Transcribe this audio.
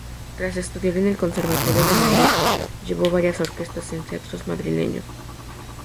Tras estudiar en el Conservatorio de Madrid, llevó varias orquestas en teatros madrileños.